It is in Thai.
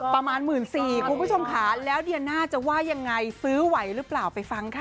ประมาณ๑๔๐๐คุณผู้ชมค่ะแล้วเดียน่าจะว่ายังไงซื้อไหวหรือเปล่าไปฟังค่ะ